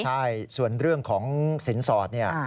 ใช่ส่วนเรื่องของสินสอดเนี่ย